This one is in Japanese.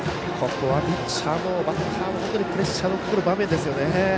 ここはピッチャーもバッターもプレッシャーのかかる場面ですよね。